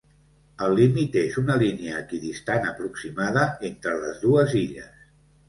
El límit és una línia equidistant aproximada entre les dues illes.